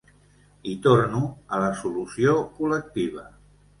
I torno a la solució col·lectiva.